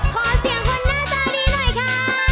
ขอเสียงคนหน้าตาดีหน่อยค่ะ